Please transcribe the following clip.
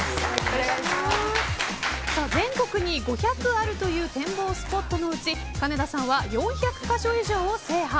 全国に５００あるという展望スポットのうちかねださんは４００か所以上を制覇。